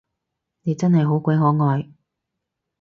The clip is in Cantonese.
你真係好鬼可愛